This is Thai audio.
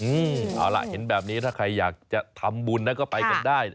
เอาล่ะเห็นแบบนี้ถ้าใครอยากจะทำบุญนะก็ไปกันได้